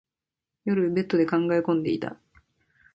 夜、ベッドで考え込んでいた。